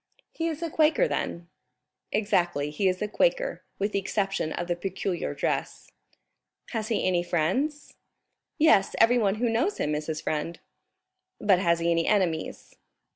"He is a Quaker then?" "Exactly, he is a Quaker, with the exception of the peculiar dress." "Has he any friends?" "Yes, everyone who knows him is his friend." "But has he any enemies?"